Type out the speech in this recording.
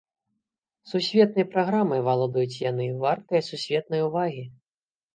Сусветнай праграмай валодаюць яны, вартыя сусветнай увагі!